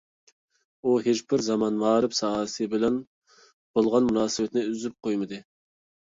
ئۇ ھېچبىر زامان مائارىپ ساھەسى بىلەن بولغان مۇناسىۋىتىنى ئۈزۈپ قويمىدى.